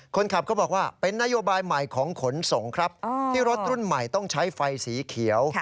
คนขับก็บอกว่าเป็นนโยบายใหม่ของขนส่งครับที่รถรุ่นใหม่ต้องใช้ไฟสีเขียว